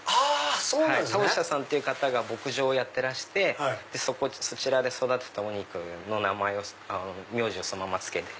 峠下さんっていう方が牧場をやってらしてそちらで育てたお肉の名前を名字をそのまま付けて。